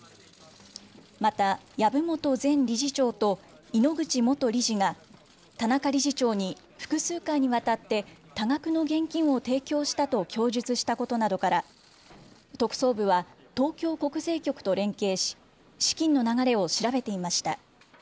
また、籔本前理事長と井ノ口元理事が、田中理事長に複数回にわたって、多額の現金を提供したと供述したことなどから、特捜部は、東京国税局と連携し、資金の流れを調べていました。